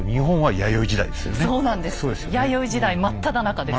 弥生時代真っただ中です。